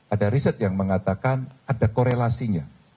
ada riset yang mengatakan ada korelasinya